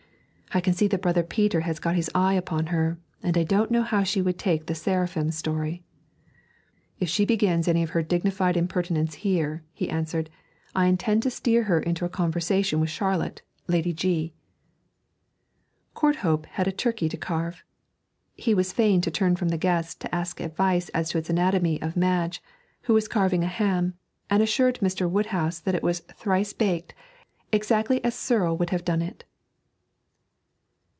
I can see that brother Peter has got his eye upon her, and I don't know how she would take the "seraphim" story.' 'If she begins any of her dignified impertinence here,' he answered, 'I intend to steer her into a conversation with Charlotte, Lady G .' Courthope had a turkey to carve. He was fain to turn from the guests to ask advice as to its anatomy of Madge, who was carving a ham and assuring Mr. Woodhouse that it was 'thrice baked, exactly as Serle would have done it.'